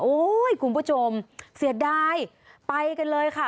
คุณผู้ชมเสียดายไปกันเลยค่ะ